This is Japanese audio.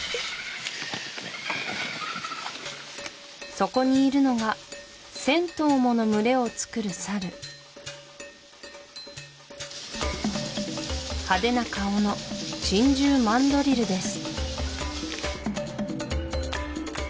そこにいるのが１０００頭もの群れをつくるサル派手な顔の珍獣マンドリルです